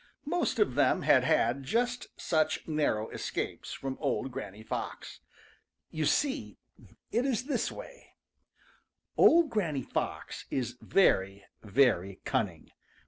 Most of them had had just such narrow escapes from old Granny Fox. You see, it is this way: Old Granny Fox is very, very cunning.